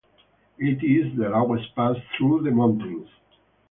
It is the lowest pass through the mountains.